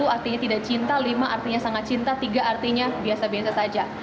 artinya tidak cinta lima artinya sangat cinta tiga artinya biasa biasa saja